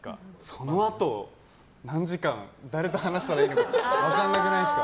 そのあと、何時間誰と話したらいいか分からなくないですか？